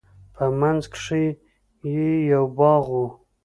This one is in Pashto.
په منځ کښې يې يو باغ و.